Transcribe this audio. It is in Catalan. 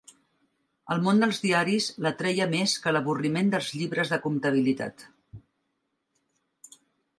El món dels diaris l'atreia més que l'avorriment dels llibres de comptabilitat.